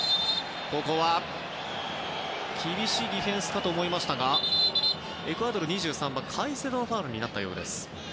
ここは厳しいディフェンスかと思いましたがエクアドルの２３番カイセドのファウルです。